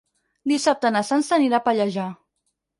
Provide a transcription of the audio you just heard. Dissabte na Sança anirà a Pallejà.